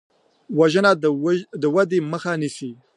وژنه د ودې مخه نیسي